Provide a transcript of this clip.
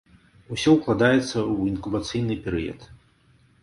Усё укладаецца ў інкубацыйны перыяд.